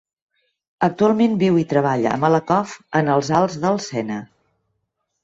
Actualment viu i treballa a Malakoff en els Alts del Sena.